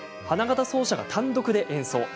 花形奏者が単独で演奏。